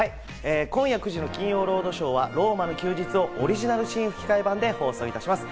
今夜９時からの『金曜ロードショー』は『ローマの休日』をオリジナル新吹き替え版で放送いたします。